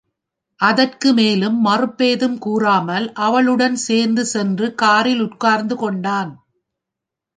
அதற்கு மேலும் மறுப்பேதும் கூறாமல் அவளுடன் சேர்ந்து சென்று காரில் உட்கார்ந்து கொண்டான்.